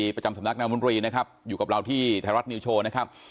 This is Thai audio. ประจำสำนักนามนตรีนะครับอยู่กับเราที่ไทยรัฐนิวโชว์นะครับ